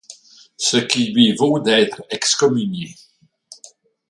Ce qui lui vaut d'être excommunié.